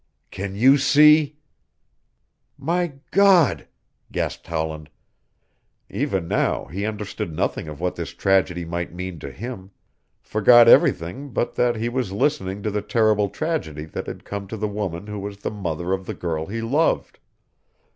Can you see " "My God!" gasped Howland. Even now he understood nothing of what this tragedy might mean to him forgot everything but that he was listening to the terrible tragedy that had come to the woman who was the mother of the girl he loved.